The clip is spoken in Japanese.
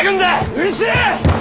うるせぇ！